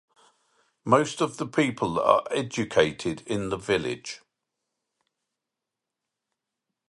Most of the people are educated in the village.